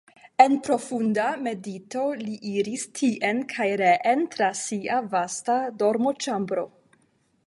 En profunda medito li iris tien kaj reen tra sia vasta dormoĉambro.